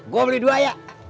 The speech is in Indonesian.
gue beli dua ya